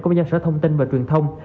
có nhân sở thông tin và truyền thông